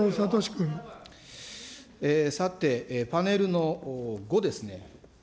さて、パネルの５ですね。